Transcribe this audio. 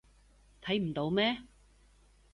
睇唔到咩？